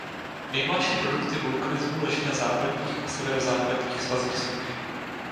Nejmladší produkty vulkanismu leží na západních a severozápadních svazích sopky.